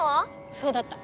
そうだった！